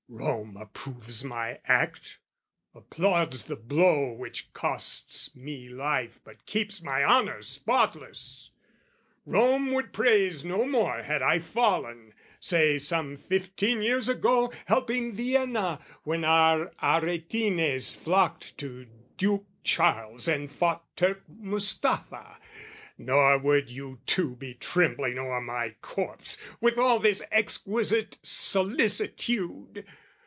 Rome approves my act: Applauds the blow which costs me life but keeps My honour spotless: Rome would praise no more Had I fallen, say, some fifteen years ago, Helping Vienna when our Aretines Flocked to Duke Charles and fought Turk Mustafa: Nor would you two be trembling o'er my corpse With all this exquisite solicitude.